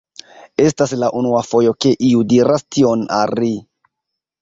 Estas la unua fojo ke iu diras tion al ri.